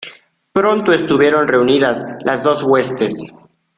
pronto estuvieron reunidas las dos huestes: